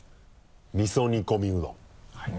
「味噌煮込みうどん」